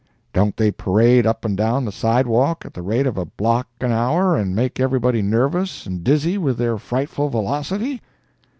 —Don't they parade up and down the sidewalk at the rate of a block an hour and make everybody nervous and dizzy with their frightful velocity?